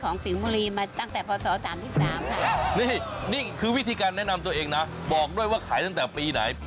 นี่นี่คือวิธีการแนะนำตัวเองนะบอกด้วยว่าขายตั้งแต่ปีไหน